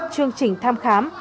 chương trình tham khám